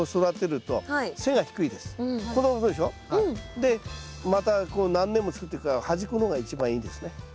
でまた何年も作ってくから端っこの方が一番いいですね。